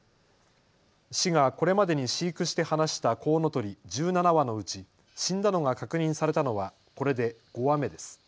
市がこれまでに飼育して放したコウノトリ１７羽のうち死んだのが確認されたのはこれで５羽目です。